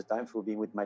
jadi saya pikir